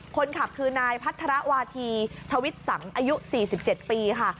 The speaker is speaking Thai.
คนขับคือนายพัฒระวาธีทวิทย์สังอายุ๔๗ปีค่ะ